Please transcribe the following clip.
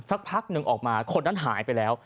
สักพักหนึ่งออกมาคนนั้นหายไปแล้ว